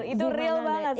itu real banget